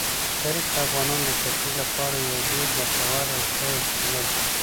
تاریخ د افغانانو د تفریح لپاره یوه ډېره ګټوره او ښه وسیله ده.